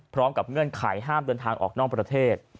พร้อมกับเงื่อนไขห้ามเดินทางออกนอกประเทศ